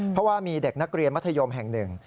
เพราะว่ามีเด็กนักเรียนมัธยมแห่งหนึ่ง